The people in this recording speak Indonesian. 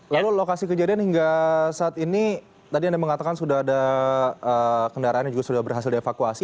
lalu lokasi kejadian hingga saat ini tadi anda mengatakan sudah ada kendaraan yang juga sudah berhasil dievakuasi